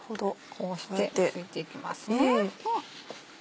こうしてすいていきますね。